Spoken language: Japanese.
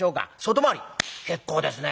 結構ですね。